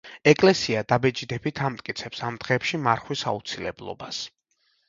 ეკლესია დაბეჯითებით ამტკიცებს ამ დღეებში მარხვის აუცილებლობას.